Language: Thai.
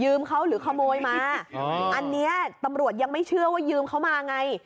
เขาหรือขโมยมาอันนี้ตำรวจยังไม่เชื่อว่ายืมเขามาไง